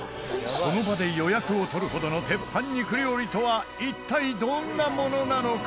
その場で予約を取るほどの鉄板肉料理とは一体、どんなものなのか？